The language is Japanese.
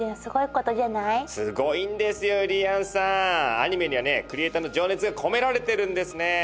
アニメにはねクリエーターの情熱が込められてるんですねえ。